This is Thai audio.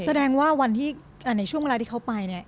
แสดงว่าวันที่ในช่วงเวลาที่เขาไปเนี่ย